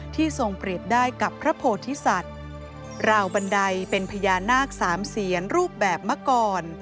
ทรงเปรียบได้กับพระโพธิสัตว์ราวบันไดเป็นพญานาคสามเสียนรูปแบบเมื่อก่อน